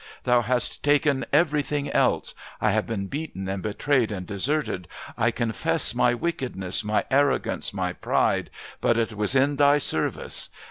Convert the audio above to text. Thou hast taken everything else. I have been beaten and betrayed and deserted. I confess my wickedness, my arrogance, my pride, but it was in Thy service.